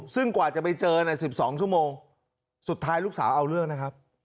ซึ่งกว่าจะไปเจอใน๑๒ชั่วโมงสุดท้ายลูกสาวเอาเรื่องนะครับ